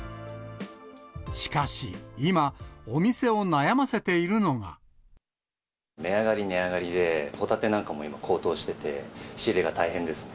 しかし、今、お店を悩ませて値上がり、値上がりで、ホタテなんかも今、高騰してて、仕入れが大変ですね。